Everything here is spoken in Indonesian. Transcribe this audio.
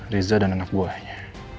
riza dan anak buahnya